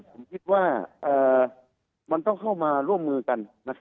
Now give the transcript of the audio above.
ผมคิดว่ามันต้องเข้ามาร่วมมือกัน